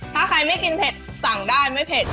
ถ้าใครไม่กินเผ็ดสั่งได้ไม่เผ็ด